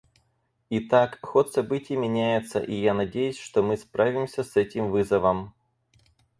Итак, ход событий меняется, и я надеюсь, что мы справимся с этим вызовом.